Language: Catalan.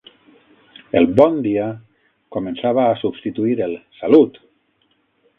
El «bon dia» començava a substituir el «salut».